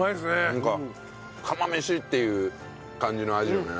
なんか釜飯っていう感じの味よね。